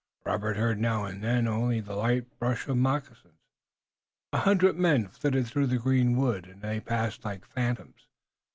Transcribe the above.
Robert heard now and then only the light brush of a moccasin. A hundred men flitted through the greenwood and they passed like phantoms.